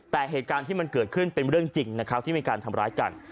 แต่เหตุการณ์ที่มันเกิดขึ้นเป็นเรื่องจริงนะครับที่มีการทำร้ายกัน